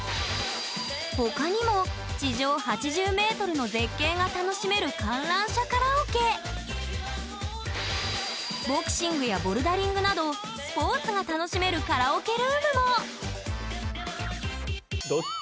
他にも地上８０ｍの絶景が楽しめるボクシングやボルダリングなどスポーツが楽しめるカラオケルームも！